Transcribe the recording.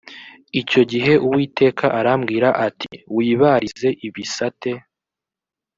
icyo gihe uwiteka arambwira ati” wibarize ibisate”